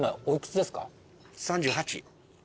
３８？